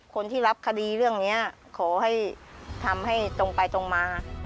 คนที่รับคดีเรื่องนี้ขอให้ทำให้ตรงไปตรงมา